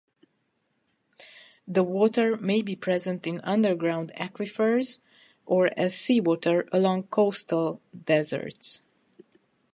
The water may be present in underground aquifers or as seawater along coastal deserts.